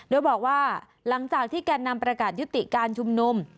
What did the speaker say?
โดยบอกว่าหลังจากที่แก่นำประกาศยุติการชุมนุม